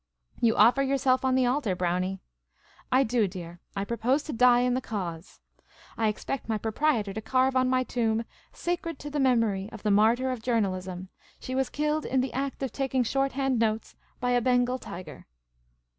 " You offer yourself on the altar, Brownie." " I do, dear ; I propose to die in the cause. I expect my proprietor to carve on my tomb, ' Sacred to the memory of the martyr of journalism. She was killed, in the act of taking shorthand notes, by a Bengal tiger.'